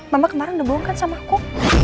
mama kemarin udah bohong kan sama aku